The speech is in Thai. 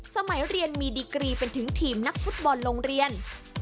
สมัยเรียนมีดีกรีเป็นถึงทีมนักฟุตบอลโรงเรียน